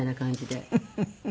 フフフフ。